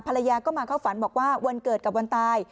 ภรรยาก็มาเข้าฝันบอกว่าวันเกิดกับวันตาย